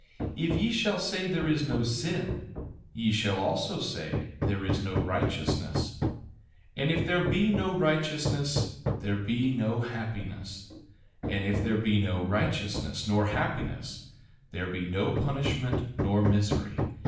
If ye shall say there is no sin, ye shall also say there is no righteousness. And if there be no righteousness there be no happiness. And if there be no righteousness nor happiness there be no punishment nor misery.